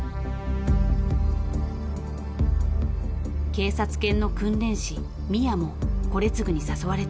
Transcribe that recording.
［警察犬の訓練士宮も惟二に誘われていました］